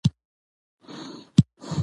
قدمونه مو په لېمو،